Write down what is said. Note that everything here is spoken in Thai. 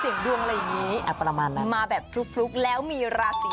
แล้วมีราศิไหนบ้าง